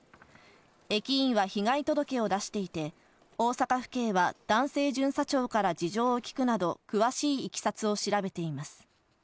駅員は被害届を出していて、大阪府警は男性巡査長から事情を聞くなど、詳しいいきさつを調べています。